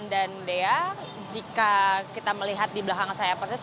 dan dea jika kita melihat di belakang saya persis